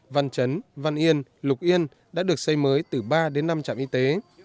văn trấn văn yên lục yên đã được xây mới từ ba đến năm trạm y tế